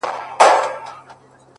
خدایه نور یې د ژوندو له کتار باسه،